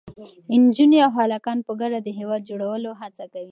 نجونې او هلکان په ګډه د هېواد د جوړولو هڅه کوي.